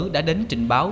đã đến trình báo